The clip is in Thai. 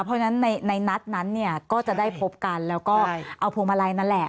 เพราะฉะนั้นในนัดนั้นเนี่ยก็จะได้พบกันแล้วก็เอาพวงมาลัยนั่นแหละ